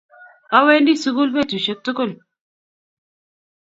Awendi sukul petushek tukul